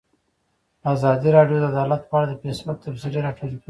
ازادي راډیو د عدالت په اړه د فیسبوک تبصرې راټولې کړي.